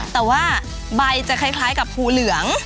แต่ว่าใบจะคล้ายกับภูเหลือง